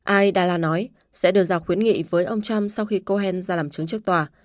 ai dala nói sẽ đưa ra khuyến nghị với ông trump sau khi cohen ra làm chứng trước tòa